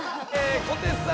小手さん。